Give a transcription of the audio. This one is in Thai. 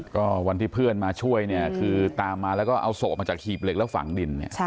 ก็วันที่เพื่อนมาช่วยเนี่ยคือตามมาแล้วก็เอาศพออกมาจากหีบเหล็กแล้วฝังดินเนี่ย